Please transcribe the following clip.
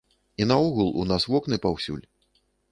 І наогул, у нас вокны паўсюль.